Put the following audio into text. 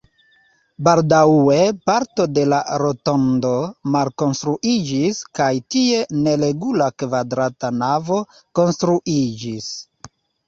Baldaŭe parto de la rotondo malkonstruiĝis kaj tie neregula kvadrata navo konstruiĝis.